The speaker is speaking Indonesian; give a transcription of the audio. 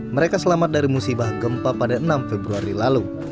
mereka selamat dari musibah gempa pada enam februari lalu